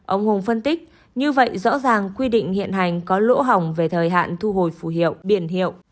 ông hùng phân tích như vậy rõ ràng quy định hiện hành có lỗ hỏng về thời hạn thu hồi phù hiệu biển hiệu